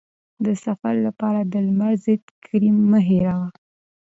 د سفر لپاره د لمر ضد کریم مه هېروه.